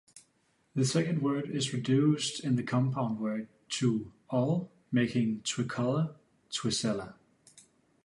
The second word is reduced in the compound word to "ull", making "twicculla", "twisella".